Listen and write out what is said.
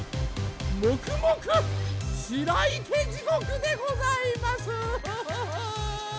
もくもく白池地獄でございます！